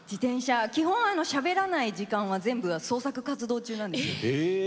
基本しゃべらない時間は創作活動なんです。